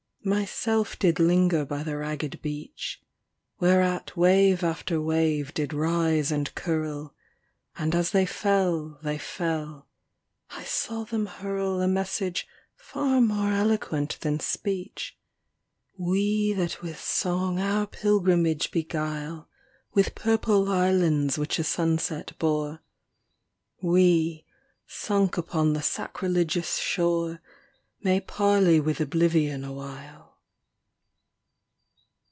XI Myself did linger by the ragged beach, Whereat wave after wave did rise and curl ; And as they fell, they fell ŌĆö I saw them hurl A message far more eloquent than speech : XII We that with song our pilgrimage beguile , With purple islands which a sunset bore , We, sunk upon the sacrilegious shore , May parley with oblivion awhile